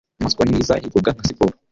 inyamaswa nini zahigwaga nka siporo